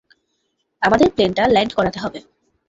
আমাদের প্লেন টা ল্যান্ড করাতে হবে!